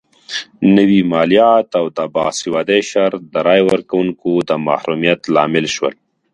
نوي مالیات او د باسوادۍ شرط د رایې ورکونکو د محرومیت لامل شول.